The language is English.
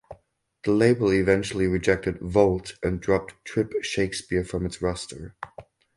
The label eventually rejected "Volt" and dropped Trip Shakespeare from its roster.